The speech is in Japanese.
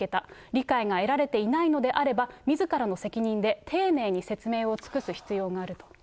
理解が得られていないのであれば、みずからの責任で丁寧に説明を尽くす必要があると。